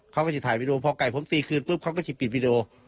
เขาก็จะถ่ายวีดีโอพอไก่ผมตีคืนปุ๊บเขาก็จะปิดวีดีโอ